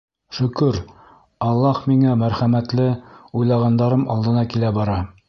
Шөкөр, Аллаһ миңә мәрхәмәтле, уйлағандарым алдыма килә бара.